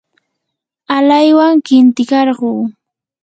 alaywan qintikarquu.